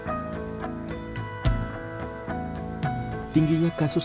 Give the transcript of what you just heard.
saya sudah berhasil menambah jalan